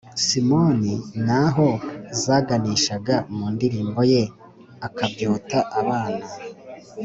simon ni aho zaganishaga mu ndirimbo ye akabyuta abana